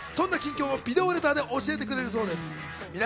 そんな近況をビデオレターで教えてくれるそうです。